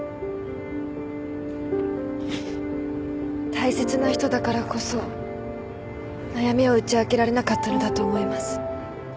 大切な人だからこそ悩みを打ち明けられなかったのだと思います。